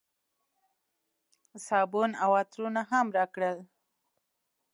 صابون او عطرونه هم راکړل.